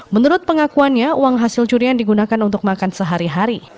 menurut pengakuannya uang hasil curian digunakan untuk makan sehari hari